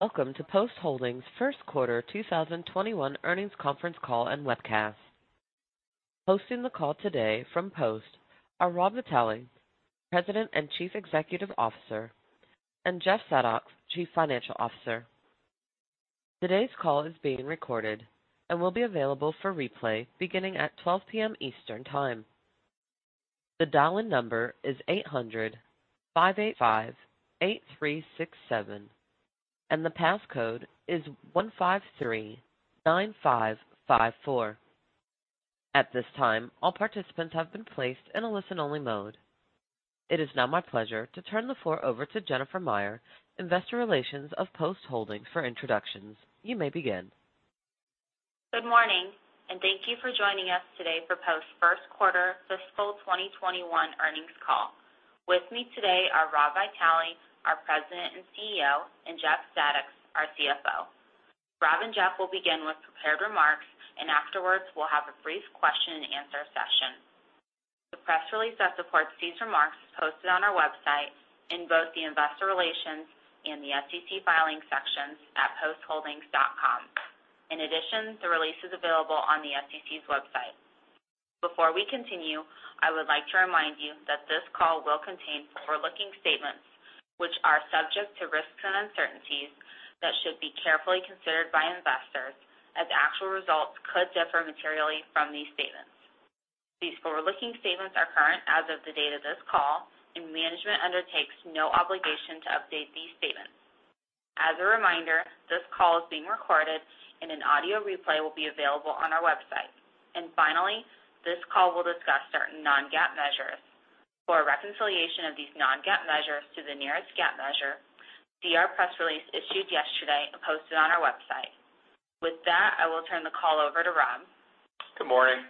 Welcome to Post Holdings' Q1 2021 earnings conference call and webcast. Hosting the call today from Post are Rob Vitale, President and Chief Executive Officer, and Jeff Zadoks, Chief Financial Officer. Today's call is being recorded and will be available for replay beginning at 12:00 P.M. Eastern Time. The dial-in number is 800-585-8367 and the passcode is 1539554. At this time, all participants have been placed in a listen-only mode. It is now my pleasure to turn the floor over to Jennifer Meyer, Investor Relations of Post Holdings for introductions. You may begin. Good morning and thank you for joining us today for Post Q1 fiscal 2021 earnings call. With me today are Rob Vitale, our President and CEO, and Jeff Zadoks, our CFO. Rob and Jeff will begin with prepared remarks, and afterwards, we'll have a brief question and answer session. The press release that supports these remarks is posted on our website in both the Investor Relations and the SEC Filings sections at postholdings.com. In addition, the release is available on the SEC's website. Before we continue, I would like to remind you that this call will contain forward-looking statements, which are subject to risks and uncertainties that should be carefully considered by investors, as actual results could differ materially from these statements. These forward-looking statements are current as of the date of this call, and management undertakes no obligation to update these statements. As a reminder, this call is being recorded and an audio replay will be available on our website. Finally, this call will discuss certain non-GAAP measures. For a reconciliation of these non-GAAP measures to the nearest GAAP measure, see our press release issued yesterday and posted on our website. With that, I will turn the call over to Rob. Good morning.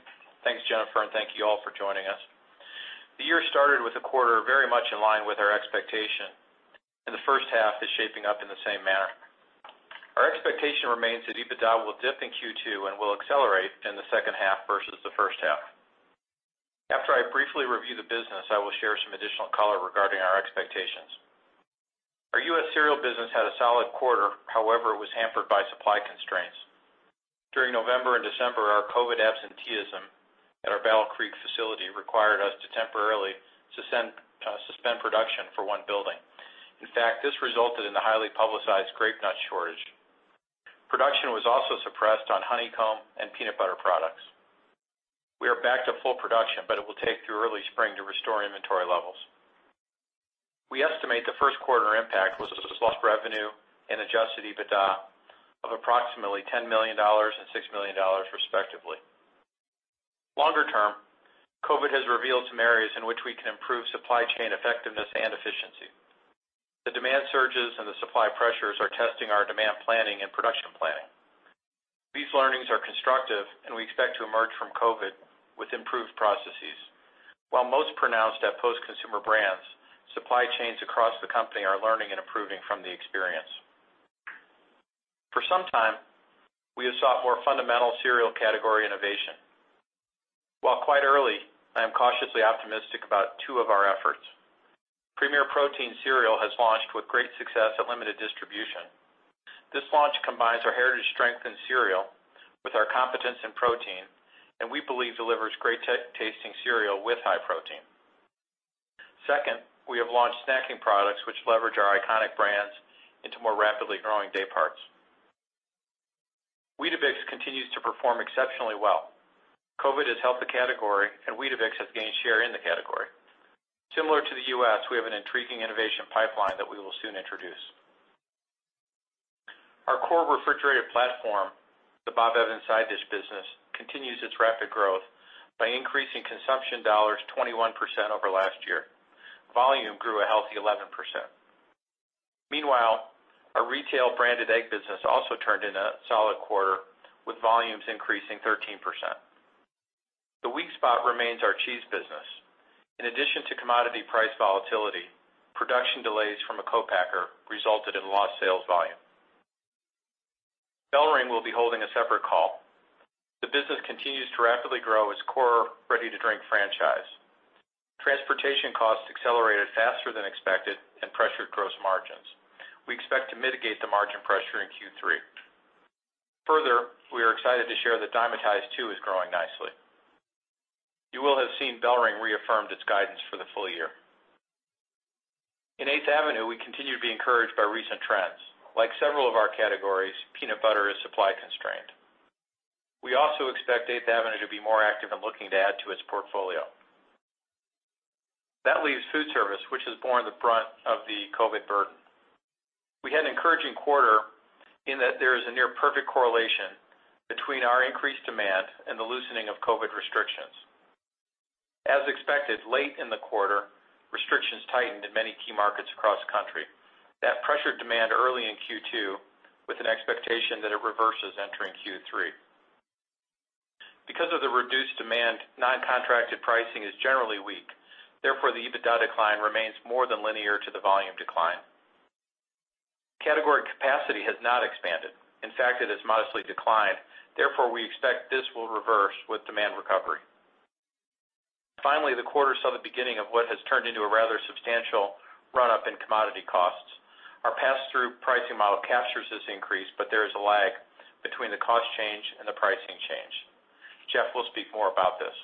Thanks, Jennifer, and thank you all for joining us. The year started with a quarter very much in line with our expectation, and the H1 is shaping up in the same manner. Our expectation remains that EBITDA will dip in Q2 and will accelerate in the H2 versus the H1. After I briefly review the business, I will share some additional color regarding our expectations. Our U.S. cereal business had a solid quarter. However, it was hampered by supply constraints. During November and December, our COVID absenteeism at our Battle Creek facility required us to temporarily suspend production for one building. In fact, this resulted in the highly publicized Grape-Nuts shortage. Production was also suppressed on Honeycomb and peanut butter products. We are back to full production, but it will take through early spring to restore inventory levels. We estimate the Q1 impact was a lost revenue and adjusted EBITDA of approximately $10 million and $6 million respectively. Longer term, COVID has revealed some areas in which we can improve supply chain effectiveness and efficiency. The demand surges and the supply pressures are testing our demand planning and production planning. These learnings are constructive, and we expect to emerge from COVID with improved processes. While most pronounced at Post Consumer Brands, supply chains across the company are learning and improving from the experience. For some time, we have sought more fundamental cereal category innovation. While quite early, I am cautiously optimistic about two of our efforts. Premier Protein cereal has launched with great success at limited distribution. This launch combines our heritage strength in cereal with our competence in protein, and we believe delivers great-tasting cereal with high protein. Second, we have launched snacking products, which leverage our iconic brands into more rapidly growing day parts. Weetabix continues to perform exceptionally well. COVID has helped the category, and Weetabix has gained share in the category. Similar to the U.S., we have an intriguing innovation pipeline that we will soon introduce. Our core refrigerated platform, the Bob Evans side dish business, continues its rapid growth by increasing consumption dollars 21% over last year. Volume grew a healthy 11%. Meanwhile, our retail branded egg business also turned in a solid quarter, with volumes increasing 13%. The weak spot remains our cheese business. In addition to commodity price volatility, production delays from a co-packer resulted in lost sales volume. BellRing will be holding a separate call. The business continues to rapidly grow its core ready-to-drink franchise. Transportation costs accelerated faster than expected and pressured gross margins. We expect to mitigate the margin pressure in Q3. Further, we are excited to share that Dymatize too is growing nicely. You will have seen BellRing reaffirmed its guidance for the full year. In 8th Avenue, we continue to be encouraged by recent trends. Like several of our categories, peanut butter is supply constrained. We also expect 8th Avenue to be more active in looking to add to its portfolio. That leaves food service, which has borne the brunt of the COVID burden. We had an encouraging quarter in that there is a near perfect correlation between our increased demand and the loosening of COVID restrictions. As expected, late in the quarter, restrictions tightened in many key markets across the country. That pressured demand early in Q2 with an expectation that it reverses entering Q3. Because of the reduced demand, non-contracted pricing is generally weak. Therefore, the EBITDA decline remains more than linear to the volume decline. Category capacity has not expanded. In fact, it has modestly declined. Therefore, we expect this will reverse with demand recovery. Finally, the quarter saw the beginning of what has turned into a rather substantial run-up in commodity costs. Our pass-through pricing model captures this increase, but there is a lag between the cost change and the pricing change. Jeff will speak more about this.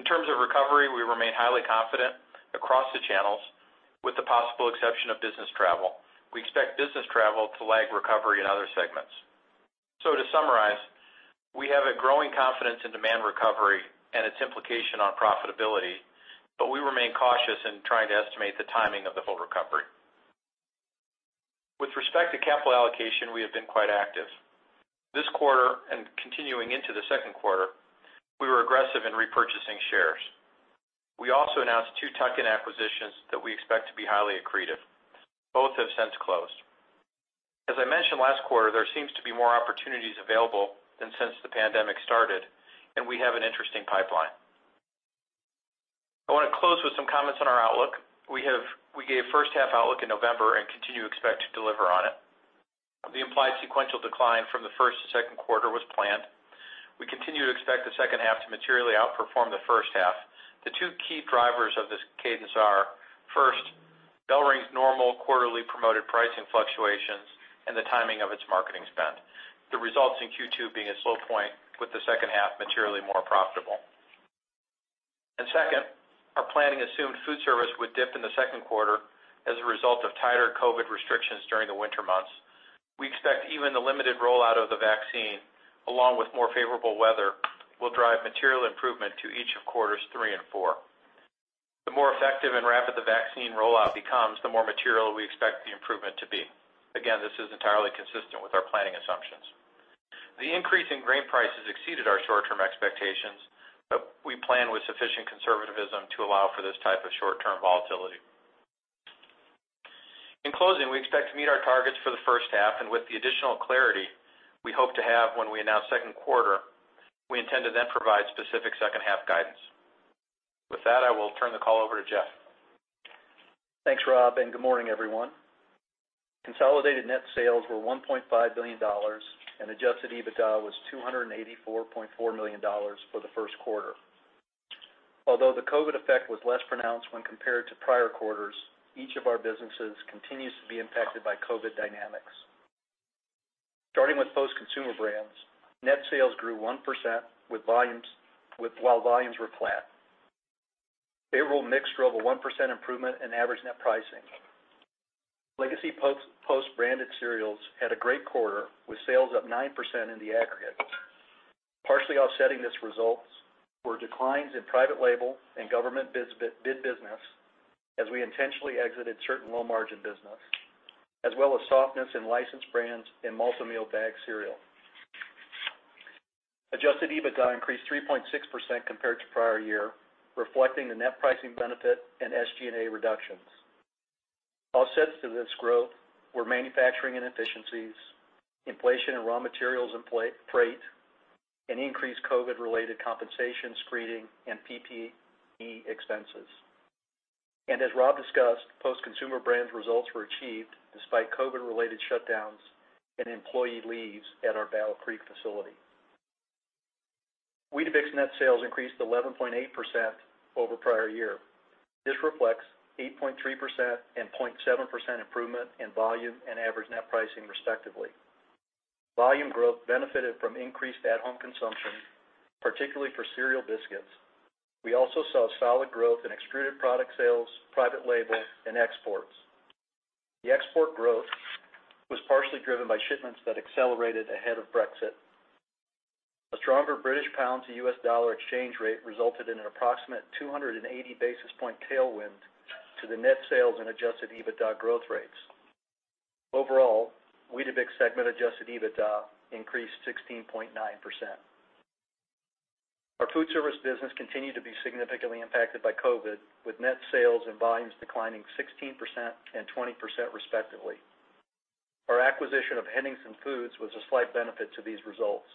In terms of recovery, we remain highly confident across the channels, with the possible exception of business travel. We expect business travel to lag recovery in other segments. To summarize, we have a growing confidence in demand recovery and its implication on profitability, but we remain cautious in trying to estimate the timing of the full recovery. With respect to capital allocation, we have been quite active. This quarter, and continuing into the Q2, we were aggressive in repurchasing shares. We also announced two tuck-in acquisitions that we expect to be highly accretive. Both have since closed. As I mentioned last quarter, there seems to be more opportunities available than since the pandemic started, and we have an interesting pipeline. I want to close with some comments on our outlook. We gave H1 outlook in November and continue to expect to deliver on it. The implied sequential decline from the first to Q2 was planned. We continue to expect the H2 to materially outperform the H1. The two key drivers of this cadence are, first, BellRing's normal quarterly promoted pricing fluctuations and the timing of its marketing spend, the results in Q2 being a low point with the H2 materially more profitable. Second, our planning assumed foodservice would dip in the Q2 as a result of tighter COVID restrictions during the winter months. We expect even the limited rollout of the vaccine, along with more favorable weather, will drive material improvement to each of quarters three and four. The more effective and rapid the vaccine rollout becomes, the more material we expect the improvement to be. Again, this is entirely consistent with our planning assumptions. The increase in grain prices exceeded our short-term expectations, but we plan with sufficient conservatism to allow for this type of short-term volatility. In closing, we expect to meet our targets for the H1, and with the additional clarity we hope to have when we announce Q2, we intend to then provide specific H2 guidance. With that, I will turn the call over to Jeff. Thanks, Rob, and good morning, everyone. Consolidated net sales were $1.5 billion, and adjusted EBITDA was $284.4 million for the Q1. Although the COVID effect was less pronounced when compared to prior quarters, each of our businesses continues to be impacted by COVID dynamics. Starting with Post Consumer Brands, net sales grew 1% while volumes were flat. Favorable mix drove a 1% improvement in average net pricing. Legacy Post branded cereals had a great quarter, with sales up 9% in the aggregate. Partially offsetting these results were declines in private label and government bid business, as we intentionally exited certain low-margin business, as well as softness in licensed brands in multi-meal bagged cereal. Adjusted EBITDA increased 3.6% compared to prior year, reflecting the net pricing benefit and SG&A reductions. Offsets to this growth were manufacturing inefficiencies, inflation in raw materials and freight, and increased COVID-related compensation, screening, and PPE expenses. As Rob discussed, Post Consumer Brands results were achieved despite COVID-related shutdowns and employee leaves at our Battle Creek facility. Weetabix net sales increased 11.8% over prior year. This reflects 8.3% and 0.7% improvement in volume and average net pricing, respectively. Volume growth benefited from increased at-home consumption, particularly for cereal biscuits. We also saw solid growth in extruded product sales, private label, and exports. The export growth was partially driven by shipments that accelerated ahead of Brexit. A stronger British pound to U.S. dollar exchange rate resulted in an approximate 280-basis point tailwind to the net sales and adjusted EBITDA growth rates. Overall, Weetabix segment adjusted EBITDA increased 16.9%. Our food service business continued to be significantly impacted by COVID, with net sales and volumes declining 16% and 20% respectively. Our acquisition of Henningsen Foods was a slight benefit to these results.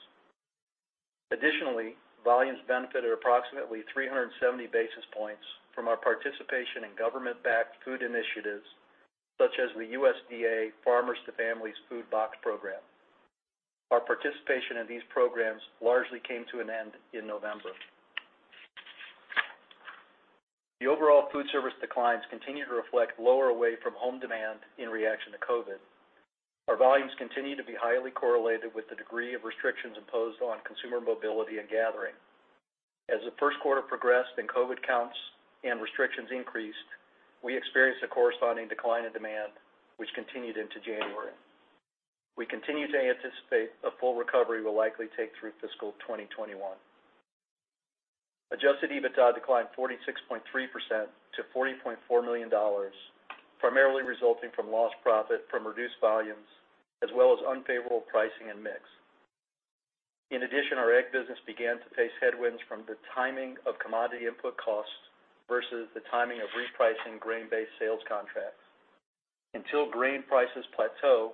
Additionally, volumes benefited approximately 370-basis points from our participation in government-backed food initiatives, such as the USDA Farmers to Families Food Box program. Our participation in these programs largely came to an end in November. The overall food service declines continue to reflect lower away-from-home demand in reaction to COVID. Our volumes continue to be highly correlated with the degree of restrictions imposed on consumer mobility and gathering. As the Q1 progressed and COVID counts and restrictions increased, we experienced a corresponding decline in demand, which continued into January. We continue to anticipate a full recovery will likely take through fiscal 2021. Adjusted EBITDA declined 46.3% to $40.4 million, primarily resulting from lost profit from reduced volumes, as well as unfavorable pricing and mix. In addition, our egg business began to face headwinds from the timing of commodity input costs versus the timing of repricing grain-based sales contracts. Until grain prices plateau,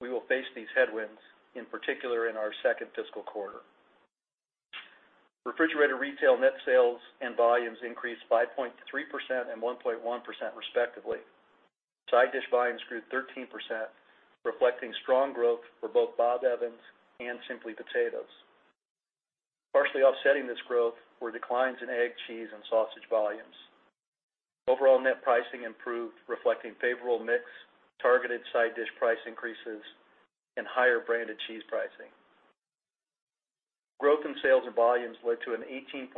we will face these headwinds, in particular in our second fiscal quarter. Refrigerated Retail net sales and volumes increased 5.3% and 1.1% respectively. Side dish volumes grew 13%, reflecting strong growth for both Bob Evans and Simply Potatoes. Partially offsetting this growth were declines in egg, cheese, and sausage volumes. Overall net pricing improved, reflecting favorable mix, targeted side dish price increases, and higher branded cheese pricing. Growth in sales and volumes led to an 18.3%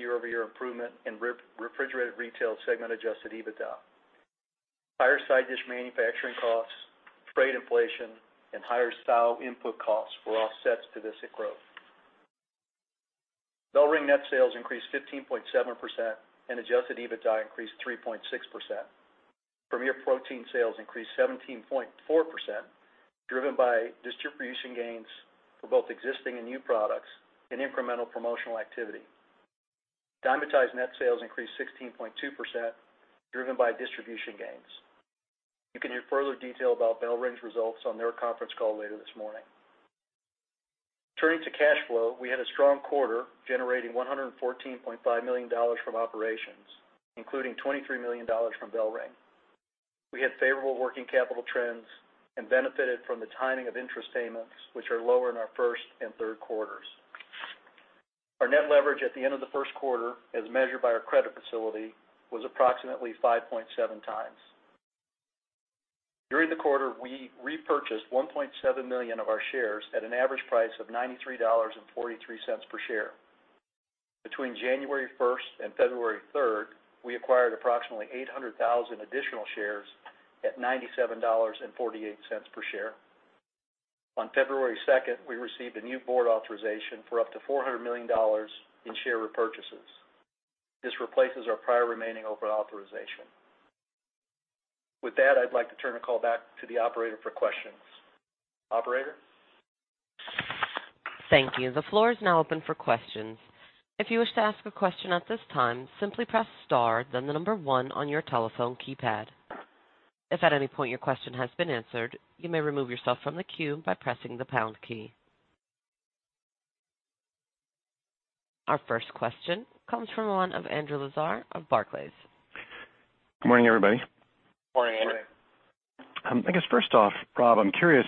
year-over-year improvement in Refrigerated Retail segment adjusted EBITDA. Higher side dish manufacturing costs, freight inflation, and higher soy input costs were offsets to this growth. BellRing net sales increased 15.7%, and adjusted EBITDA increased 3.6%. Premier Protein sales increased 17.4%, driven by distribution gains for both existing and new products and incremental promotional activity. Dymatize net sales increased 16.2%, driven by distribution gains. You can hear further detail about BellRing's results on their conference call later this morning. Turning to cash flow, we had a strong quarter, generating $114.5 million from operations, including $23 million from BellRing. We had favorable working capital trends and benefited from the timing of interest payments, which are lower in our Q1 and Q3. Our net leverage at the end of the Q1, as measured by our credit facility, was approximately 5.7 times. During the quarter, we repurchased 1.7 million of our shares at an average price of $93.43 per share. Between January 1st and February 3rd, we acquired approximately 800,000 additional shares at $97.48 per share. On February 2nd, we received a new board authorization for up to $400 million in share repurchases. This replaces our prior remaining open authorization. With that, I'd like to turn the call back to the operator for questions. Operator? Thank you. The floor is now open for questions. Our first question comes from the line of Andrew Lazar of Barclays. Good morning, everybody. Morning, Andrew. I guess first off, Rob, I'm curious,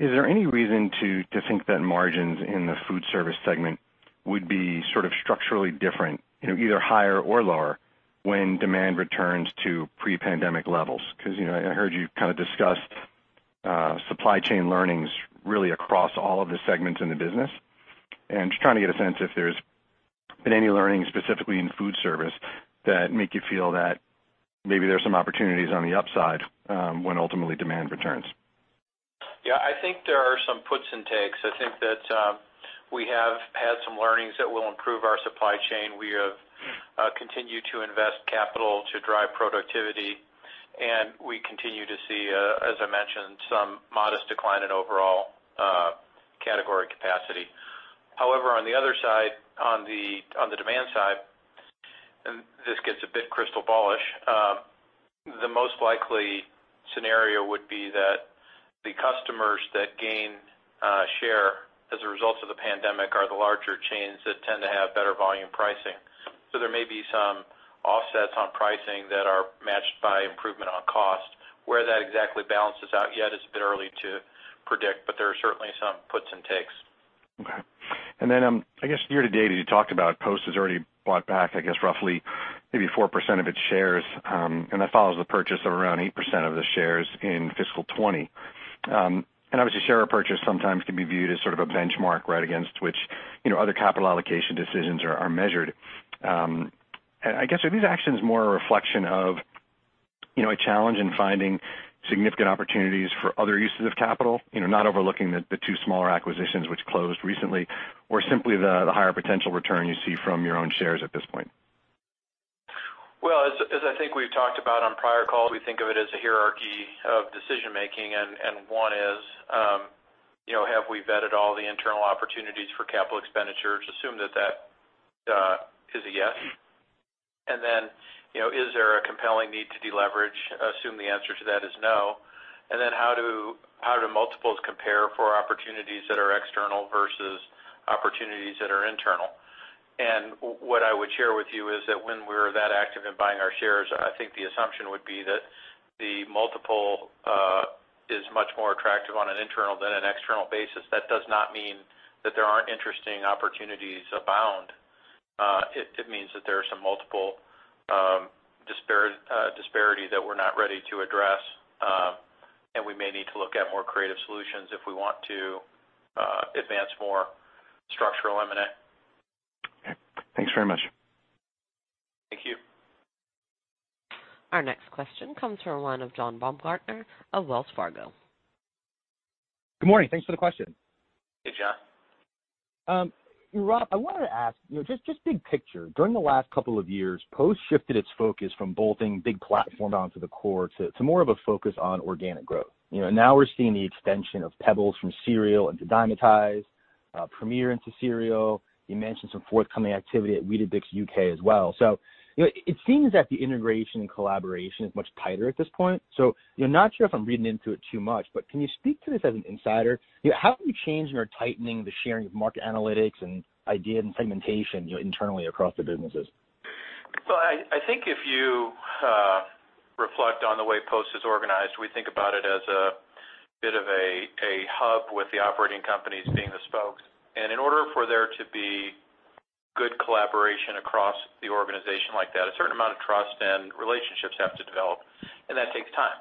is there any reason to think that margins in the food service segment would be sort of structurally different, either higher or lower, when demand returns to pre-pandemic levels? Because I heard you kind of discuss supply chain learnings really across all of the segments in the business, and just trying to get a sense if there's been any learnings specifically in food service that make you feel that maybe there's some opportunities on the upside when ultimately demand returns. Yeah, I think there are some puts and takes. I think that we have had some learnings that will improve our supply chain. We have continued to invest capital to drive productivity, and we continue to see, as I mentioned, some modest decline in overall category capacity. However, on the other side, on the demand side, and this gets a bit crystal ball-ish, the most likely scenario would be that the customers that gain share as a result of the pandemic are the larger chains that tend to have better volume pricing. There may be some offsets on pricing that are matched by improvement on cost. Where that exactly balances out yet is a bit early to predict, but there are certainly some puts and takes. Okay. I guess year to date, you talked about Post has already bought back, I guess, roughly maybe 4% of its shares. That follows the purchase of around 8% of the shares in fiscal 2020. Obviously, share purchase sometimes can be viewed as sort of a benchmark right against which other capital allocation decisions are measured. I guess, are these actions more a reflection of a challenge in finding significant opportunities for other uses of capital? Not overlooking the two smaller acquisitions which closed recently, or simply the higher potential return you see from your own shares at this point? As I think we've talked about on prior calls, we think of it as a hierarchy of decision-making, and one is have we vetted all the internal opportunities for capital expenditures? Assume that that is a yes. Is there a compelling need to deleverage? Assume the answer to that is no. How do multiples compare for opportunities that are external versus opportunities that are internal? What I would share with you is that when we're that active in buying our shares, I think the assumption would be that the multiple is much more attractive on an internal than an external basis. That does not mean that there aren't interesting opportunities abound. It means that there are some multiple disparity that we're not ready to address, and we may need to look at more creative solutions if we want to advance more structural M&A. Okay. Thanks very much. Thank you. Our next question comes from the line of John Baumgartner of Wells Fargo. Good morning. Thanks for the question. Hey, John. Rob, I wanted to ask, just big picture. During the last couple of years, Post shifted its focus from bolting big platforms onto the core to more of a focus on organic growth. Now we're seeing the extension of Pebbles from cereal into Dymatize, Premier Protein into cereal. You mentioned some forthcoming activity at Weetabix UK as well. So it seems that the integration and collaboration is much tighter at this point. I'm not sure if I'm reading into it too much, but can you speak to this as an insider? How have you changed or tightening the sharing of market analytics and ideas and segmentation internally across the businesses? Well, I think if you reflect on the way Post is organized, we think about it as a bit of a hub with the operating companies being the spokes. In order for there to be good collaboration across the organization like that, a certain amount of trust and relationships have to develop, and that takes time.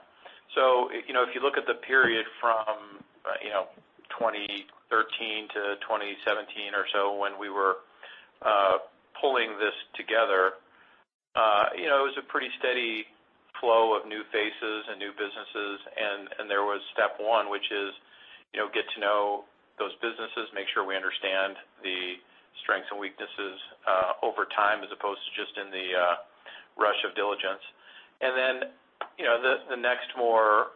If you look at the period from 2013-2017 or so when we were pulling this together, it was a pretty steady flow of new faces and new businesses. There was step one, which is got to know those businesses, make sure we understand the strengths and weaknesses over time as opposed to just in the rush of diligence. The next more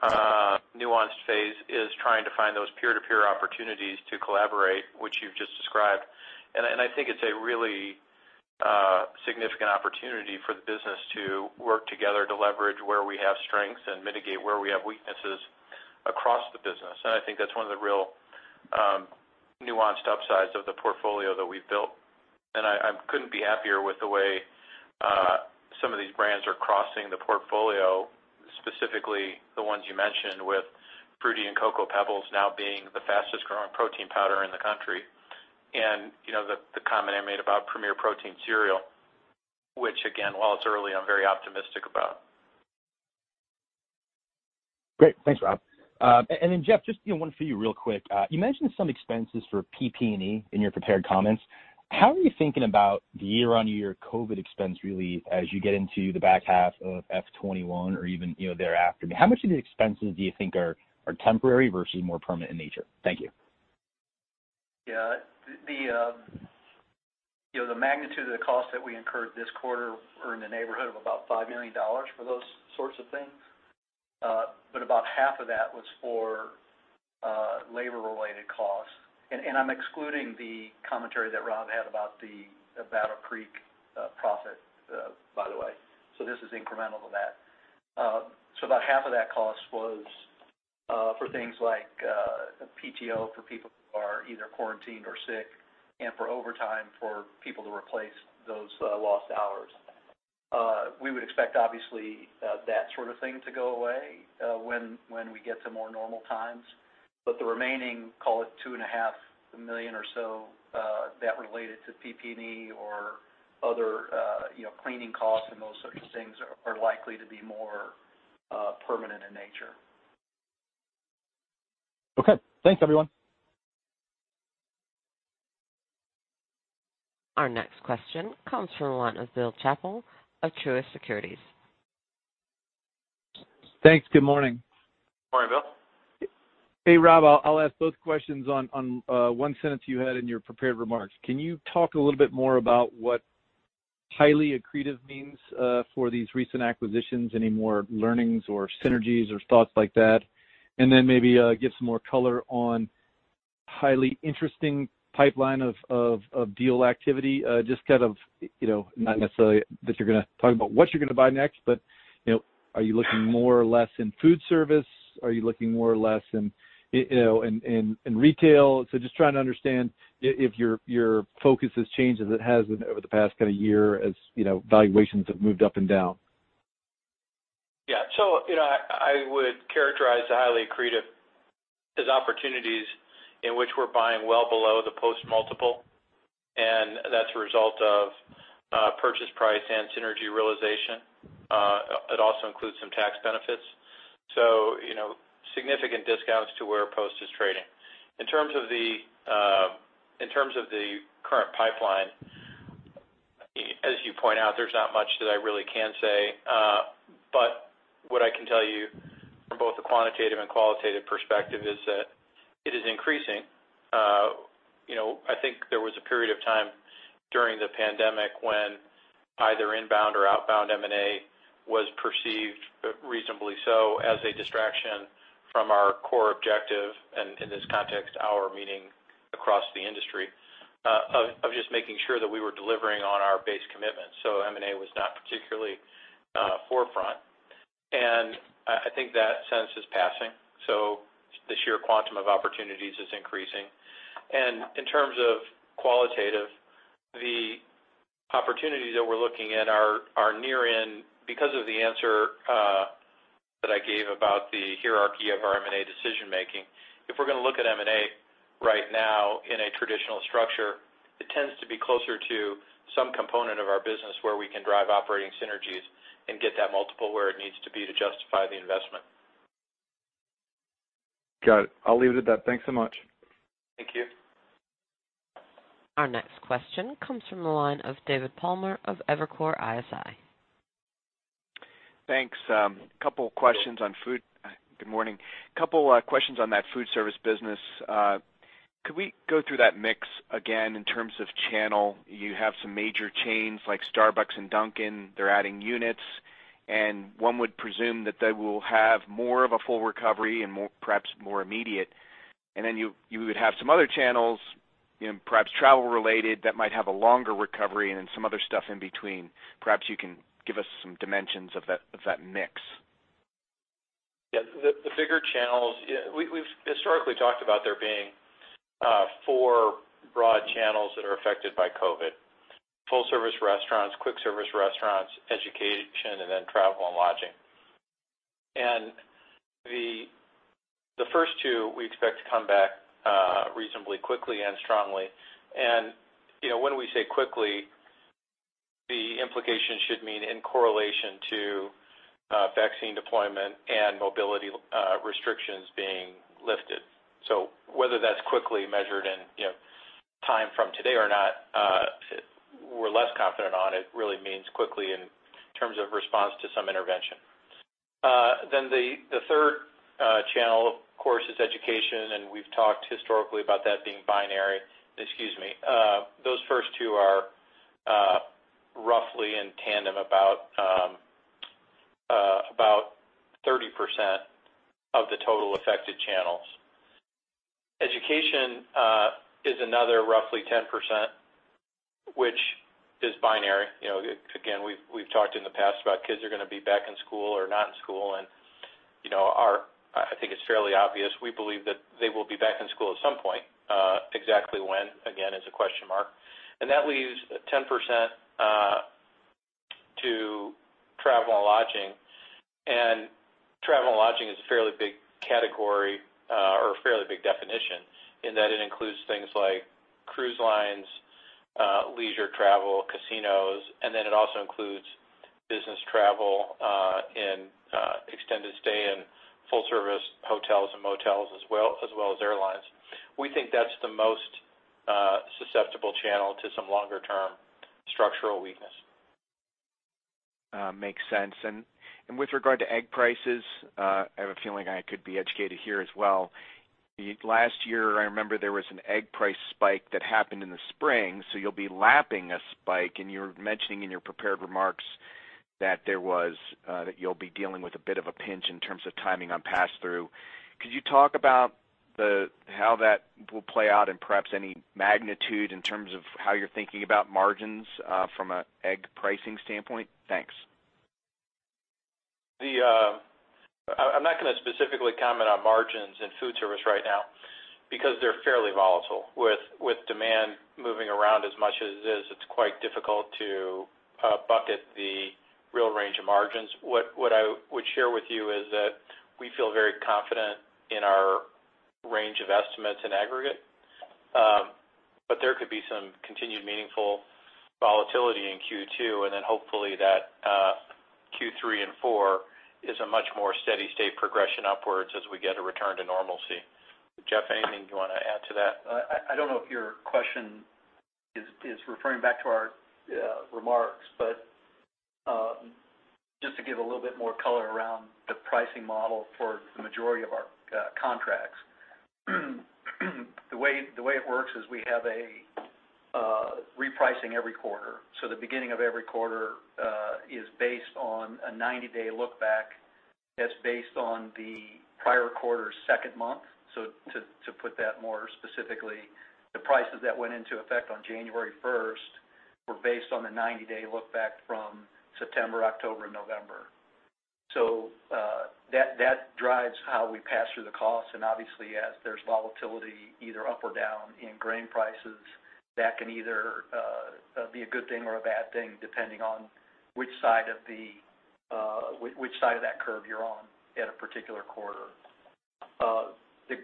nuanced phase is trying to find those peer-to-peer opportunities to collaborate, which you've just described. I think it's a really significant opportunity for the business to work together to leverage where we have strengths and mitigate where we have weaknesses across the business. I think that's one of the real nuanced upsides of the portfolio that we've built, and I couldn't be happier with the way some of these brands are crossing the portfolio, specifically the ones you mentioned with Fruity PEBBLES & Cocoa PEBBLES now being the fastest growing protein powder in the country. The comment I made about Premier Protein cereal, which again, while it's early, I'm very optimistic about. Great. Thanks, Rob. Then Jeff, just one for you really quick. You mentioned some expenses for PP&E in your prepared comments. How are you thinking about the year-on-year COVID expense really as you get into the back half of FY 2021 or even thereafter? How much of the expenses do you think are temporary versus more permanent in nature? Thank you. Yeah. The magnitude of the cost that we incurred this quarter are in the neighborhood of about $5 million for those sorts of things. About half of that was for labor-related costs. I'm excluding the commentary that Rob had about a pre-profit, by the way. This is incremental to that. About half of that cost was for things like PTO for people who are either quarantined or sick and for overtime for people to replace those lost hours. We would expect, obviously, that sort of thing to go away when we get to more normal times. The remaining, call it $2.5 million or so, that related to PP&E or other cleaning costs and those sorts of things are likely to be more permanent in nature. Okay. Thanks, everyone. Our next question comes from the line of Bill Chappell of Truist Securities. Thanks. Good morning. Morning, Bill. Hey, Rob. I'll ask both questions on one sentence you had in your prepared remarks. Can you talk a little bit more about what highly accretive means for these recent acquisitions? Any more learnings or synergies or thoughts like that? Maybe give some more color on highly interesting pipeline of deal activity. Just not necessarily that you're going to talk about what you're going to buy next, but are you looking more or less in food service? Are you looking more or less in retail? Just trying to understand if your focus has changed as it has over the past year as valuations have moved up and down. Yeah. I would characterize the highly accretive as opportunities in which we're buying well below the Post multiple, and that's a result of purchase price and synergy realization. It also includes some tax benefits. Significant discounts to where Post is trading. In terms of the current pipeline, as you point out, there's not much that I really can say. What I can tell you from both the quantitative and qualitative perspective is that it is increasing. I think there was a period of time during the pandemic when either inbound or outbound M&A was perceived, reasonably so, as a distraction from our core objective, and in this context, our meaning across the industry, of just making sure that we were delivering on our base commitments. M&A was not particularly forefront. I think that sense is passing. The sheer quantum of opportunities is increasing. In terms of qualitative, the opportunities that we're looking at are near in because of the answer that I gave about the hierarchy of our M&A decision-making. If we're going to look at M&A right now in a traditional structure, it tends to be closer to some component of our business where we can drive operating synergies and get that multiple where it needs to be to justify the investment. Got it. I'll leave it at that. Thanks so much. Thank you. Our next question comes from the line of David Palmer of Evercore ISI. Thanks. Good morning. Couple of questions on that food service business. Could we go through that mix again in terms of channel? You have some major chains like Starbucks and Dunkin', they're adding units, and one would presume that they will have more of a full recovery and perhaps more immediate. Then you would have some other channels, perhaps travel-related, that might have a longer recovery and then some other stuff in between. Perhaps you can give us some dimensions of that mix? The bigger channels, we've historically talked about there being four broad channels that are affected by COVID. Full-service restaurants, quick service restaurants, education, and then travel and lodging. The first two we expect to come back reasonably quickly and strongly. When we say quickly, the implication should mean in correlation to vaccine deployment and mobility restrictions being lifted. Whether that's quickly measured in time from today or not, we're less confident on, it really means quickly in terms of response to some intervention. The third channel, of course, is education, and we've talked historically about that being binary. Excuse me. Those first two are roughly in tandem about 30% of the total affected channels. Education is another roughly 10%, which is binary. Again, we've talked in the past about kids are going to be back in school or not in school, and I think it's fairly obvious, we believe that they will be back in school at some point. Exactly when, again, is a question mark. That leaves 10% to travel and lodging. Travel and lodging is a fairly big category, or a fairly big definition in that it includes things like cruise lines, leisure travel, casinos, it also includes business travel in extended stay and full service hotels and motels as well as airlines. We think that's the most susceptible channel to some longer term structural weakness. Makes sense. With regard to egg prices, I have a feeling I could be educated here as well. Last year, I remember there was an egg price spike that happened in the spring. You'll be lapping a spike, and you were mentioning in your prepared remarks that you'll be dealing with a bit of a pinch in terms of timing on pass-through. Could you talk about how that will play out and perhaps any magnitude in terms of how you're thinking about margins from an egg pricing standpoint? Thanks. I'm not going to specifically comment on margins in food service right now because they're fairly volatile. With demand moving around as much as it is, it's quite difficult to bucket the real range of margins. What I would share with you is that we feel very confident in our range of estimates in aggregate. There could be some continued meaningful volatility in Q2, and then hopefully that Q3 and Q4 is a much more steady state progression upwards as we get a return to normalcy. Jeff Zadoks, anything you want to add to that? I don't know if your question is referring back to our remarks, but just to give a little more color around the pricing model for the majority of our contracts. The way it works is we have a repricing every quarter. The beginning of every quarter is based on a 90-day look back that's based on the prior quarter's second month. To put that more specifically, the prices that went into effect on January 1st were based on the 90-day look back from September, October, and November. That drives how we pass through the costs, and obviously as there's volatility either up or down in grain prices, that can either be a good thing or a bad thing depending on which side of that curve you're on at a particular quarter. The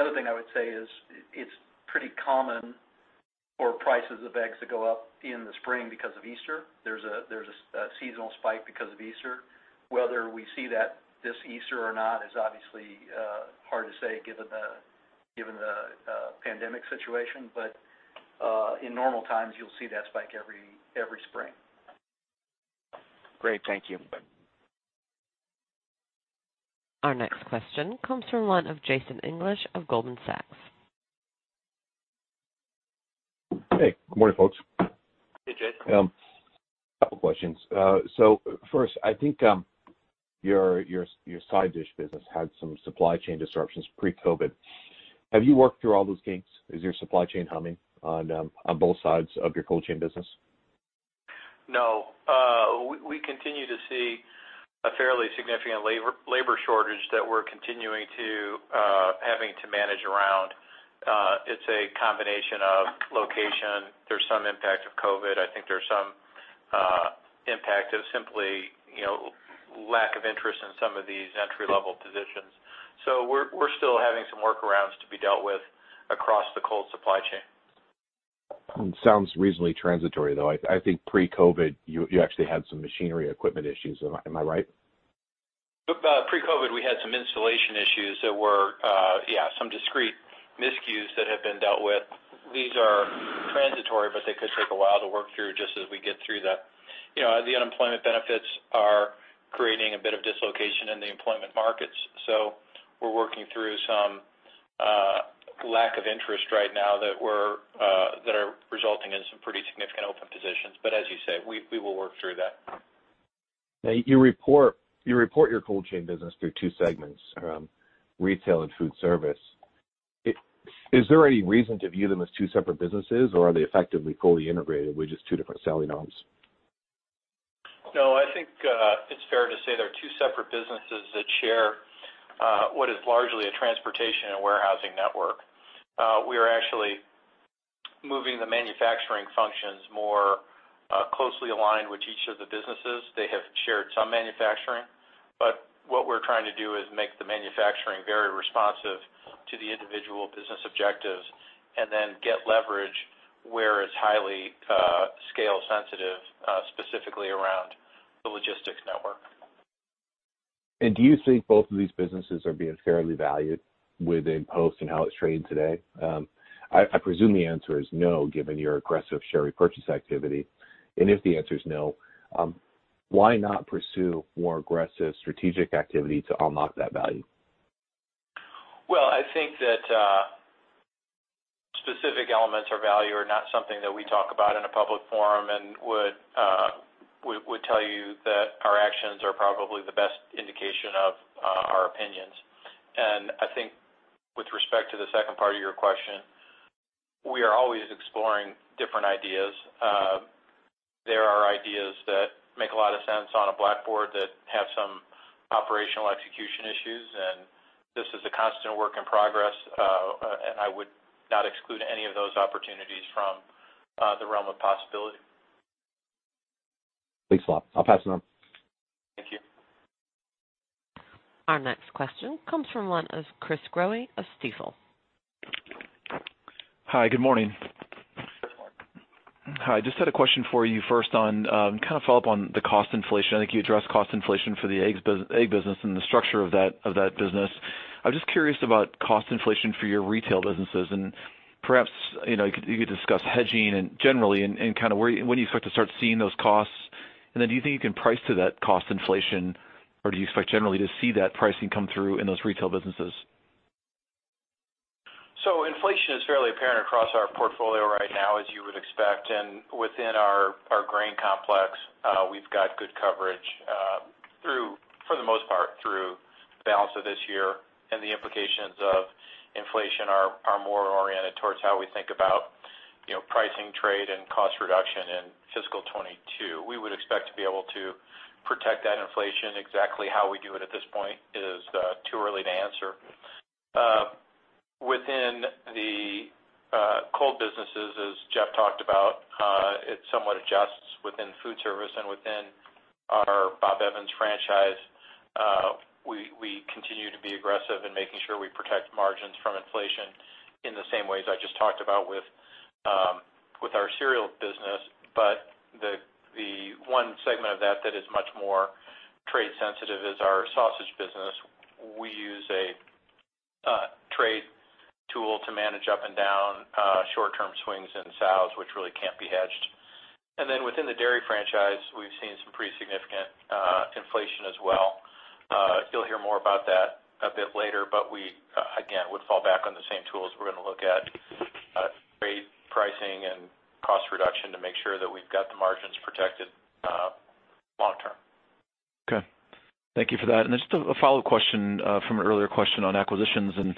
other thing I would say is it's pretty common for prices of eggs to go up in the spring because of Easter. There's a seasonal spike because of Easter. Whether we see that this Easter or not is obviously hard to say given the pandemic situation. In normal times, you'll see that spike every spring. Great. Thank you. Our next question comes from the line of Jason English of Goldman Sachs. Hey, good morning, folks. Hey, Jason. A couple questions. First, I think your side dish business had some supply chain disruptions pre-COVID. Have you worked through all those kinks? Is your supply chain humming on both sides of your cold chain business? No. We continue to see a fairly significant labor shortage that we're continuing to having to manage around. It's a combination of location. There's some impact of COVID. I think there's some impact of simply lack of interest in some of these entry level positions. We're still having some workarounds to be dealt with across the cold supply chain. Sounds reasonably transitory, though. I think pre-COVID, you actually had some machinery equipment issues. Am I right? Pre-COVID, we had some installation issues that were, yeah, some discrete miscues that have been dealt with. These are transitory, but they could take a while to work through just as we get through the unemployment benefits are creating a bit of dislocation in the employment markets. We're working through some lack of interest right now that are resulting in some pretty significant open positions. As you say, we will work through that. You report your cold chain business through two segments, retail and food service. Is there any reason to view them as two separate businesses, or are they effectively fully integrated with just two different selling arms? I think it's fair to say there are two separate businesses that share what is largely a transportation and warehousing network. We are actually moving the manufacturing functions more closely aligned with each of the businesses. They have shared some manufacturing, but what we're trying to do is make the manufacturing very responsive to the individual business objectives and then get leverage where it's highly scale sensitive, specifically around the logistics network. Do you think both of these businesses are being fairly valued within Post and how it's trading today? I presume the answer is no, given your aggressive share repurchase activity. If the answer is no, why not pursue more aggressive strategic activity to unlock that value? Well, I think that specific elements or value are not something that we talk about in a public forum and would tell you that our actions are probably the best indication of our opinions. I think with respect to the second part of your question, we are always exploring different ideas. There are ideas that make a lot of sense on a blackboard that have some operational execution issues, and this is a constant work in progress. I would not exclude any of those opportunities from the realm of possibility. Thanks a lot. I'll pass it on. Thank you. Our next question comes from one of Chris Growe of Stifel. Hi. Good morning. Good morning. Hi. Just had a question for you first, follow up on the cost inflation. I think you addressed cost inflation for the egg business and the structure of that business. I'm just curious about cost inflation for your retail businesses, and perhaps you could discuss hedging and generally, and when do you expect to start seeing those costs? Do you think you can price to that cost inflation, or do you expect generally to see that pricing come through in those retail businesses? Inflation is fairly apparent across our portfolio right now, as you would expect. Within our grain complex, we've got good coverage for the most part through the balance of this year. The implications of inflation are more oriented towards how we think about pricing, trade, and cost reduction in fiscal 2022. We would expect to be able to protect that inflation. Exactly how we do it at this point is too early to answer. Within the cold businesses, as Jeff talked about, it somewhat adjusts within food service and within our Bob Evans franchise. We continue to be aggressive in making sure we protect margins from inflation in the same ways I just talked about with our cereal business. The one segment of that that is much more trade sensitive is our sausage business. We use a trade tool to manage up and down short-term swings in sows, which really can't be hedged. Within the dairy franchise, we've seen some pretty significant inflation as well. You'll hear more about that a bit later; we again would fall back on the same tools. We're going to look at trade pricing and cost reduction to make sure that we've got the margins protected long term. Okay. Thank you for that. Then just a follow-up question from an earlier question on acquisitions and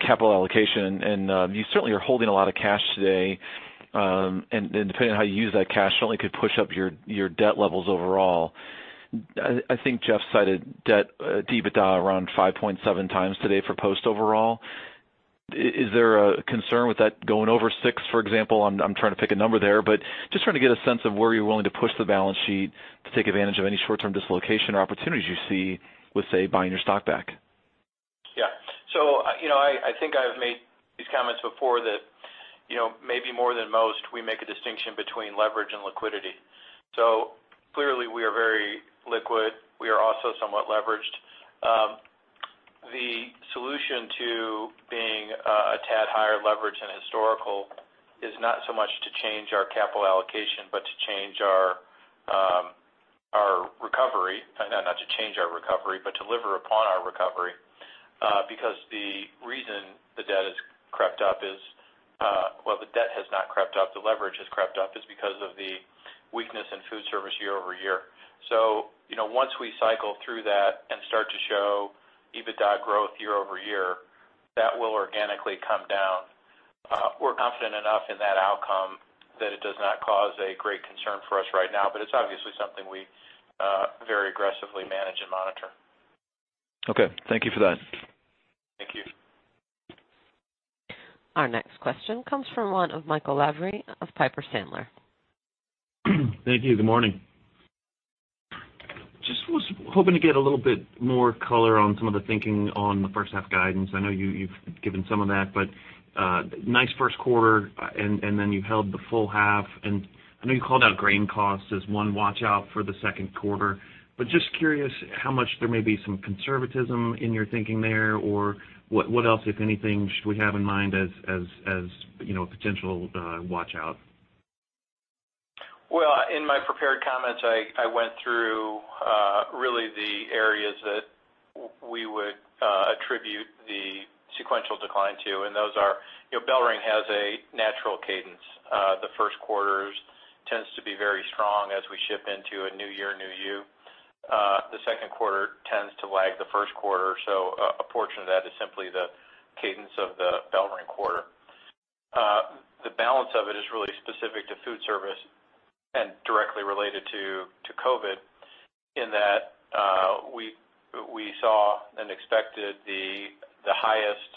capital allocation. You certainly are holding a lot of cash today. Depending on how you use that cash, certainly could push up your debt levels overall. I think Jeff cited debt EBITDA around 5.7 times today for Post overall. Is there a concern with that going over six, for example? I'm trying to pick a number there but just trying to get a sense of where you're willing to push the balance sheet to take advantage of any short-term dislocation or opportunities you see with, say, buying your stock back. I think I've made these comments before that maybe more than most, we make a distinction between leverage and liquidity. Clearly, we are very liquid. We are also somewhat leveraged. The solution to being a tad higher leverage than historical is not so much to change our capital allocation, not to change our recovery, but deliver upon our recovery. Because the reason Well, the debt has not crept up, the leverage has crept up, is because of the weakness in food service year-over-year. Once we cycle through that and start to show EBITDA growth year-over-year, that will organically come down. We're confident enough in that outcome that it does not cause a great concern for us right now, but it's obviously something we very aggressively manage and monitor. Okay. Thank you for that. Thank you. Our next question comes from one of Michael Lavery of Piper Sandler. Thank you. Good morning. Was hoping to get a little bit more color on some of the thinking on the H1 guidance. I know you've given some of that, but nice Q1, and then you held the full half. I know you called out grain costs as one watch-out for the Q2, but just curious how much there may be some conservatism in your thinking there, or what else, if anything, should we have in mind as potential watch-out? Well, in my prepared comments, I went through really the areas that we would attribute the sequential decline to, and those are BellRing has a natural cadence. The Q1 tends to be very strong as we ship into a new year, new you. The Q2 tends to lag the Q1, so a portion of that is simply the cadence of the BellRing quarter. The balance of it is really specific to food service and directly related to COVID, in that we saw and expected the highest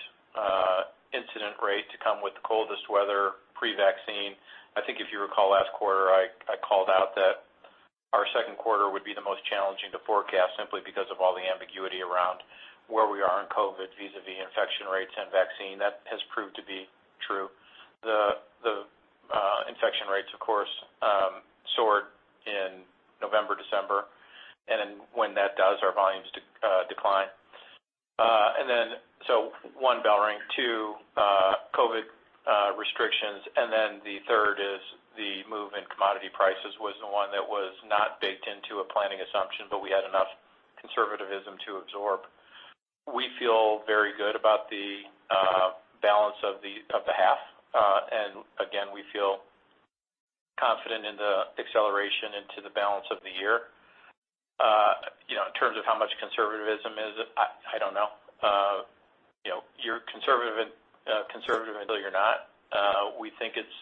incident rate to come with the coldest weather pre-vaccine. I think if you recall last quarter, I called out that our Q2 would be the most challenging to forecast simply because of all the ambiguity around where we are in COVID vis-a-vis infection rates and vaccine. That has proved to be true. The infection rates, of course, soared in November, December. When that does, our volumes decline. One, BellRing. Two, COVID restrictions. The third is the move in commodity prices was the one that was not baked into a planning assumption, but we had enough conservativism to absorb. We feel very good about the balance of the half. Again, we feel confident in the acceleration into the balance of the year. In terms of how much conservativism is, I don't know. You're conservative until you're not. We think it's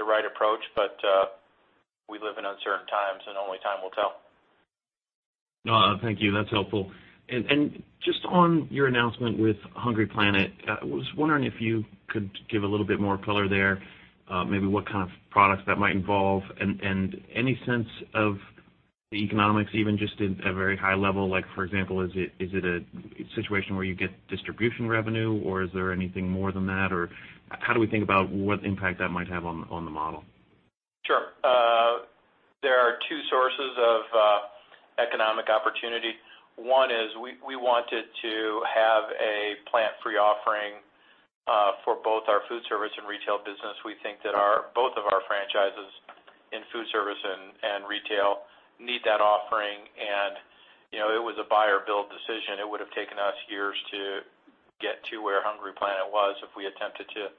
the right approach, but we live in uncertain times, and only time will tell. No, thank you. That's helpful. Just on your announcement with Hungry Planet, I was wondering if you could give a little bit more color there. Maybe what kind of products that might involve and any sense of the economics, even just at a very high level. For example, is it a situation where you get distribution revenue, or is there anything more than that? How do we think about what impact that might have on the model? Sure. There are two sources of economic opportunity. One is we wanted to have a plant-free offering for both our food service and retail business. We think that both of our franchises in food service and retail need that offering. It was a buy or build decision. It would have taken us years to get to where Hungry Planet was if we attempted to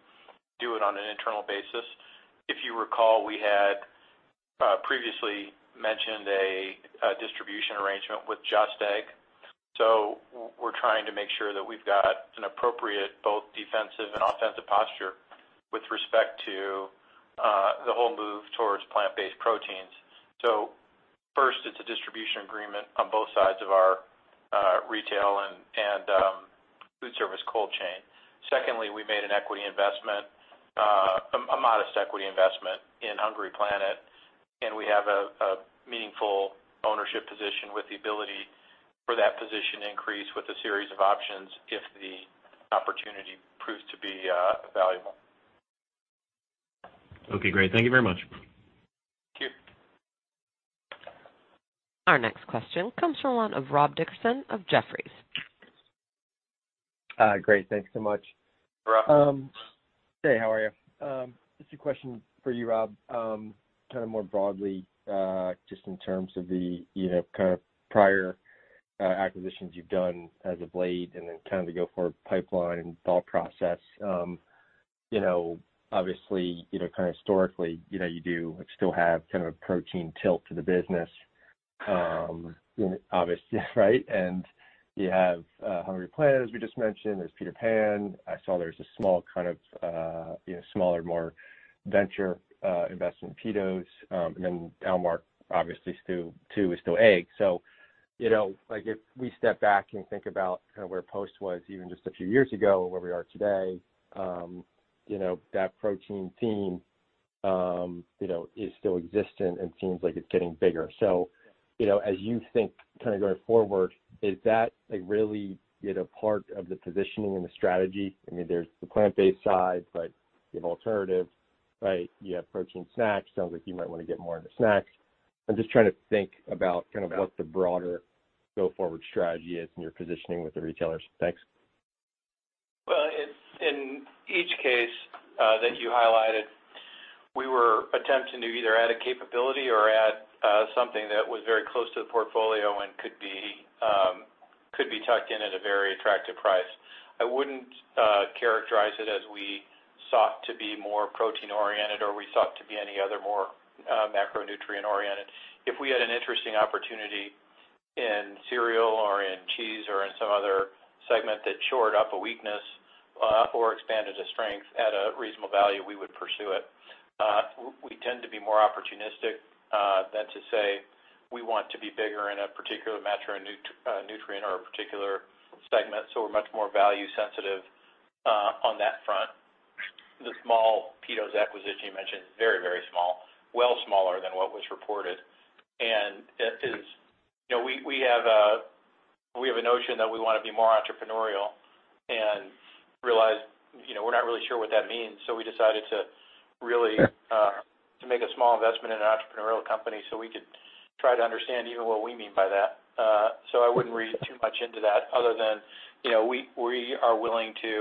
do it on an internal basis. If you recall, we had previously mentioned a distribution arrangement with JUST Egg. We're trying to make sure that we've got an appropriate, both defensive and offensive posture with respect to the whole move towards plant-based proteins. First, it's a distribution agreement on both sides of our retail and food service cold chain. We made an equity investment, a modest equity investment in Hungry Planet, and we have a meaningful ownership position with the ability for that position to increase with a series of options if the opportunity proves to be valuable. Okay, great. Thank you very much. Thank you. Our next question comes from one of Rob Dickerson of Jefferies. Great. Thanks so much. Rob. Hey, how are you? Just a question for you, Rob. Kind of more broadly, just in terms of the prior acquisitions you've done as of late, and then kind of the go forward pipeline and thought process. Obviously, kind of historically, you do still have kind of a protein tilt to the business. Obviously, right? You have Hungry Planet, as we just mentioned. There's Peter Pan. I saw there's a smaller, more venture investment in PeaTos. Then Almark, obviously, too, is still egg. If we step back and think about where Post was even just a few years ago and where we are today, that protein theme is still existent and seems like it's getting bigger. As you think going forward, is that really a part of the positioning and the strategy? There's the plant-based side, you have alternatives. You have protein snacks. Sounds like you might want to get more into snacks. I'm just trying to think about what the broader go forward strategy is in your positioning with the retailers. Thanks. Well, in each case that you highlighted, we were attempting to either add a capability or add something that was very close to the portfolio and could be tucked in at a very attractive price. I wouldn't characterize it as we sought to be more protein-oriented, or we sought to be any other more macronutrient-oriented. If we had an interesting opportunity in cereal or in cheese or in some other segment that shored up a weakness or expanded a strength at a reasonable value, we would pursue it. We tend to be more opportunistic than to say we want to be bigger in a particular macronutrient or a particular segment. We're much more value sensitive on that front. The small PeaTos acquisition you mentioned, very small. Well smaller than what was reported. We have a notion that we want to be more entrepreneurial and realize we're not really sure what that means. We decided to really make a small investment in an entrepreneurial company so we could try to understand even what we mean by that. I wouldn't read too much into that other than we are willing to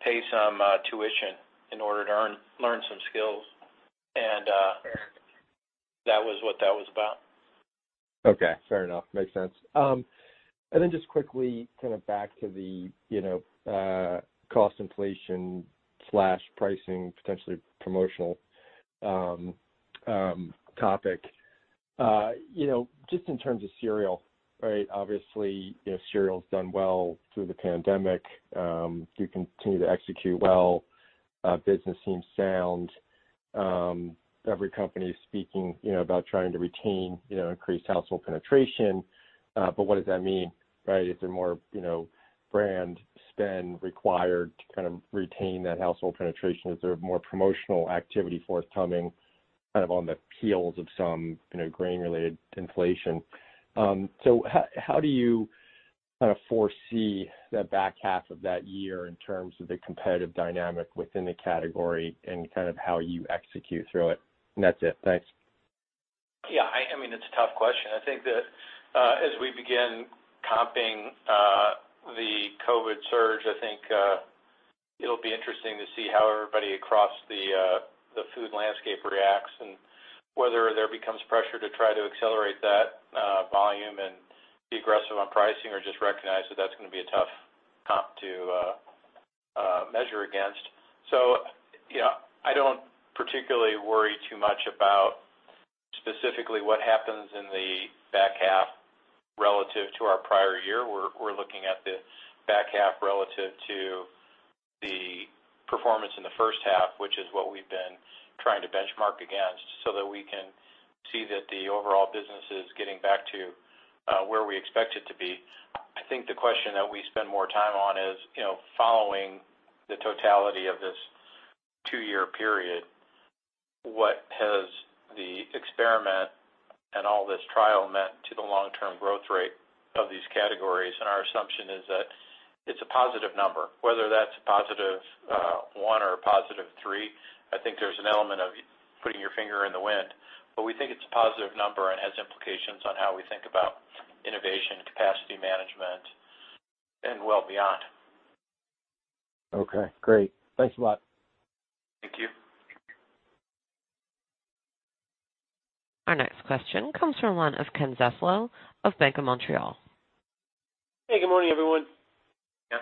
pay some tuition in order to learn some skills. That was what that was about. Okay. Fair enough. Makes sense. Just quickly back to the cost inflation/pricing, potentially promotional topic. Just in terms of cereal, obviously, cereal's done well through the pandemic. You continue to execute well. Business seems sound. Every company is speaking about trying to retain increased household penetration. What does that mean? Is there more brands spend required to retain that household penetration? Is there more promotional activity forthcoming on the heels of some grain-related inflation? How do you foresee the back half of that year in terms of the competitive dynamic within the category and how you execute through it? That's it. Thanks. It's a tough question. I think that as we begin comping the COVID surge, I think it'll be interesting to see how everybody across the food landscape reacts and whether there becomes pressure to try to accelerate that volume and be aggressive on pricing or just recognize that that's going to be a tough comp to measure against. I don't particularly worry too much about specifically what happens in the back half relative to our prior year. We're looking at the back half relative to the performance in the H1, which is what we've been trying to benchmark against so that we can see that the overall business is getting back to where we expect it to be. I think the question that we spend more time on is, following the totality of this two-year period, what has the experiment and all this trial meant to the long-term growth rate of these categories? Our assumption is that it's a positive number. Whether that's a positive one or a positive three, I think there's an element of putting your finger in the wind. We think it's a positive number and have implications on how we think about innovation and capacity management and well beyond. Okay, great. Thanks a lot. Thank you. Our next question comes from the line of Ken Zaslow of BMO Capital Markets Hey, good morning, everyone. Yes.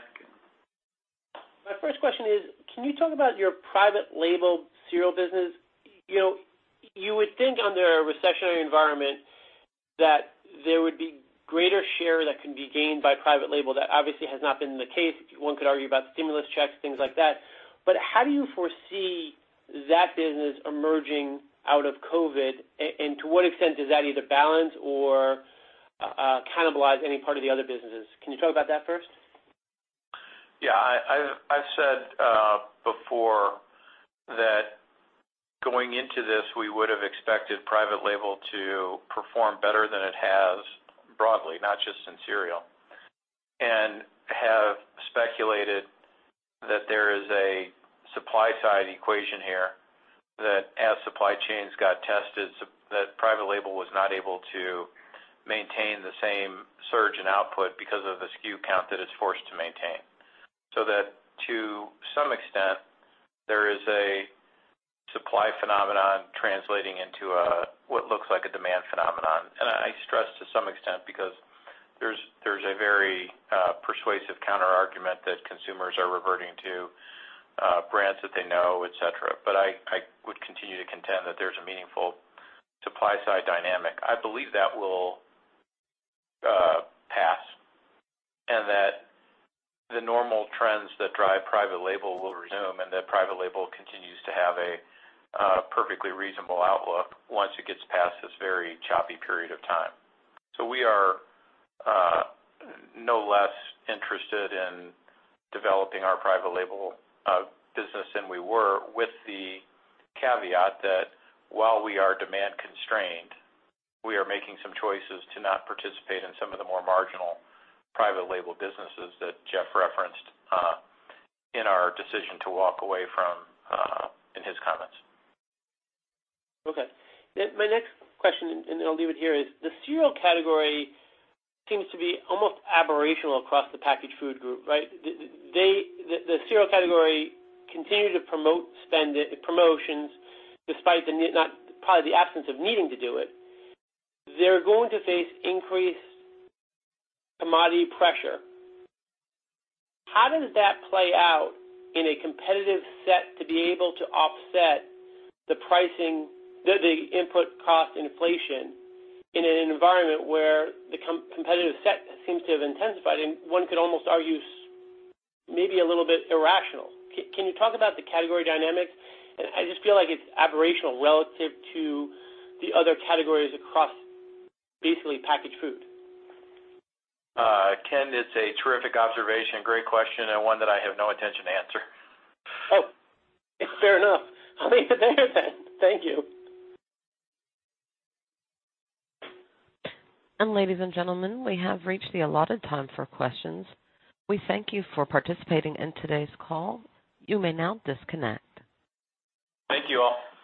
My first question is, can you talk about your private label cereal business? You would think under a recessionary environment that there would be greater share that can be gained by private label. That obviously has not been the case. One could argue about stimulus checks, things like that. How do you foresee that business emerging out of COVID, and to what extent does that either balance or cannibalize any part of the other businesses? Can you talk about that first? I've said before that going into this, we would've expected private label to perform better than it has broadly, not just in cereal. Have speculated that there is a supply-side equation here, that as supply chains got tested, that private label was not able to maintain the same surge in output because of the SKU count that it's forced to maintain. That to some extent, there is a supply phenomenon translating into what looks like a demand phenomenon. I stress to some extent because there's a very persuasive counterargument that consumers are reverting to brands that they know, et cetera. I would continue to contend that there's a meaningful supply-side dynamic. I believe that will pass and that the normal trends that drive private label will resume and that private label continues to have a perfectly reasonable outlook once it gets past this very choppy period of time. We are no less interested in developing our private label business than we were with the caveat that while we are demand-constrained, we are making some choices to not participate in some of the more marginal private label businesses that Jeff referenced in our decision to walk away from in his comments. Okay. My next question, and then I'll leave it here, is the cereal category seems to be almost aberrational across the packaged food group, right? The cereal category continues to promote promotions despite probably the absence of needing to do it. They're going to face increased commodity pressure. How does that play out in a competitive set to be able to offset the pricing, the input cost inflation in an environment where the competitive set seems to have intensified and one could almost argue maybe a little bit irrational? Can you talk about the category dynamics? I just feel like it's aberrational relative to the other categories across basically packaged food. Ken, it's a terrific observation, great question, and one that I have no intention to answer. Oh, it's fair enough. I'll leave it there then. Thank you. Ladies and gentlemen, we have reached the allotted time for questions. We thank you for participating in today's call. You may now disconnect. Thank you all.